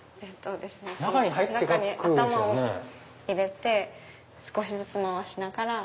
中に頭を入れて少しずつ回しながら。